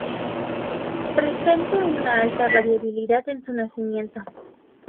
Presenta una alta variabilidad en su nacimiento.